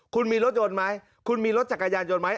คุณมีรถยนต์ไหมคุณมีรถจักรยานยนต์ไหม